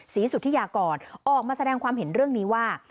สุธิยากรออกมาแสดงความเห็นเรื่องนี้ว่า